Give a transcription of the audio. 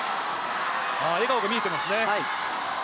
笑顔が見えていますね。